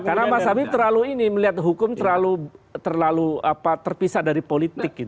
karena mas abeb terlalu ini melihat hukum terlalu terpisah dari politik